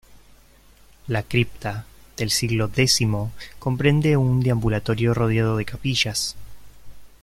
La cripta, del siglo X, comprende un deambulatorio rodeado de capillas.